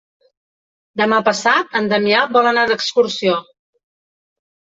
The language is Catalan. Demà passat en Damià vol anar d'excursió.